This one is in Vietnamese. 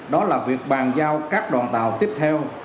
đó là việc bàn giao các đoàn tàu tiếp theo